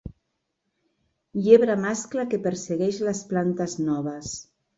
Llebre mascle que persegueix les plantes noves.